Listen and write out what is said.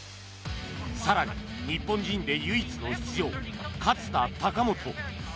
更に、日本人で唯一の出場勝田貴元。